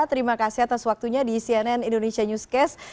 terima kasih atas waktunya di cnn indonesia newscast